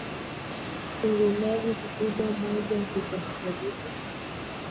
Kitunguu maji Kikubwa mojakitahitajika